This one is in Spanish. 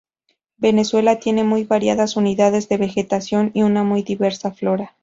Venezuela tiene muy variadas unidades de vegetación y una muy diversa flora.